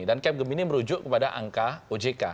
dan cap gemini merujuk kepada angka ojk